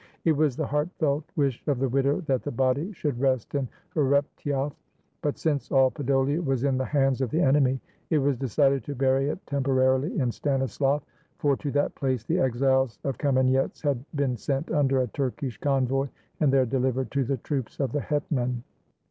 It was the heartfelt wish of the widow that the body should rest in Hreptyoff ; but since all PodoHa was in the hands of the enemy, it was decided to bury it tempo rarily in Stanislav, for to that place the "exiles" of Ka menyetz had been sent under a Turkish convoy, and there delivered to the troops of the hetman.